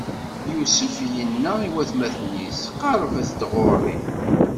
Yusef inna i watmaten-is: Qeṛṛbet-d ɣur-i!